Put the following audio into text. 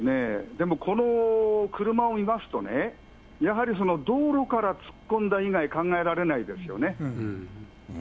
でも、この車を見ますとね、やはりその道路から突っ込んだ以外、考えられないですよね。